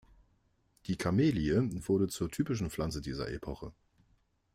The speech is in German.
Die Kamelie wurde zur typischen Pflanze dieser Epoche.